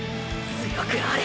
“強くあれ”！！